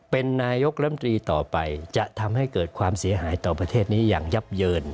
เป็นนายกรรมตรีต่อไปจะทำให้เกิดความเสียหายต่อประเทศนี้อย่างยับเยิน